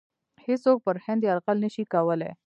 هیڅوک پر هند یرغل نه شي کولای.